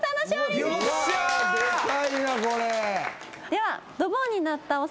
では。